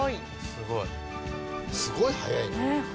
すごい速いね。